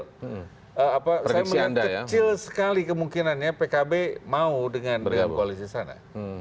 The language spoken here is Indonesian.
saya melihat kecil sekali kemungkinannya pkb mau dengan koalisi sana